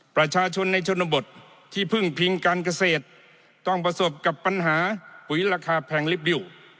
ประชาชนในชนบทที่พึ่งพิงการเกษตรต้องประสบกับปัญหาปุ๋ยราคาแพงลิบวิว